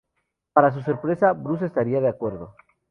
Para su sorpresa, Bruce estaría de acuerdo.